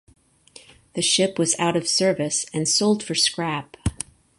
The ship was out of service and sold for scrap.